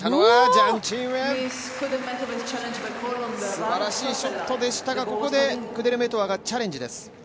すばらしいショットでしたが、ここでクデルメトワがチャレンジです。